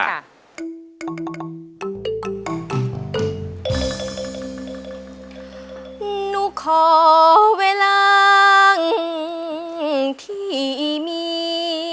หนูขอเวลาที่มี